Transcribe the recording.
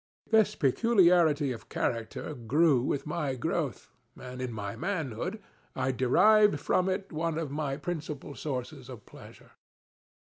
This peculiarity of character grew with my growth, and in my manhood, I derived from it one of my principal sources of pleasure.